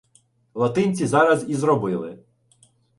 Латинці зараз ізробили